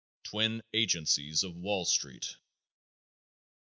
_Twin Agencies of Wall Street.